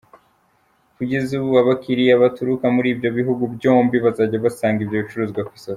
Kugeza ubu, abakiliya baturuka muri ibyo bihugu byombi bazajya basanga ibyo bicuruzwa ku isoko.